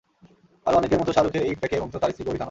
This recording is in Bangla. আরও অনেকের মতো শাহরুখের এইট প্যাকে মুগ্ধ তাঁর স্ত্রী গৌরী খানও।